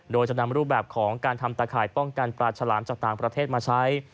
โดยจะนำรูปแบบของการทำตะข่ายป้องกันปลาฉลามจากต่างประเทศมาใช้